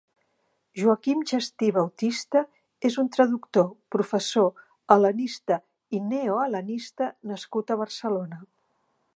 Joaquim Gestí Bautista és un traductor, professor, hel·lenista i neohel·lenista nascut a Barcelona.